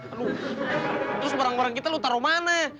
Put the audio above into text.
aduh terus barang barang kita lo taruh mana